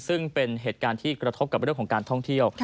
ซึ่งเป็นเหตุการณ์ที่กระทบกับเรื่องของการท่องเที่ยว